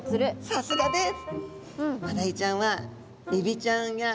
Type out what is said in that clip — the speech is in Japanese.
さすがです！